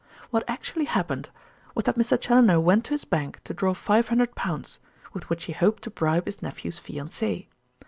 "What actually happened was that Mr. Challoner went to his bank to draw five hundred pounds with which he hoped to bribe his nephew's fiancée.